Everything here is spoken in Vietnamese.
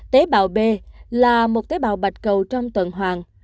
tế bào b là một tế bào bạch cầu trong tuần hoàng